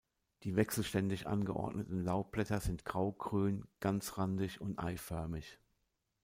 Die wechselständig angeordneten Laubblätter sind grau-grün, ganzrandig und eiförmig.